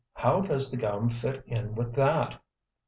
"How does the gum fit in with that?"